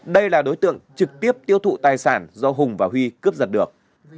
đây là đối tượng trực tiếp tiêu thụ tài sản do hùng và huy cướp giật được